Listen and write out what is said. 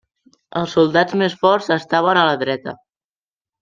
Els soldats més forts estaven a la dreta.